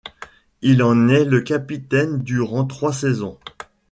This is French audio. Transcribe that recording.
Il en est le capitaine durant trois saisons.